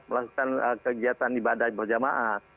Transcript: melakukan kegiatan ibadah berjamaah